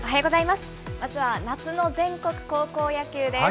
まずは夏の全国高校野球です。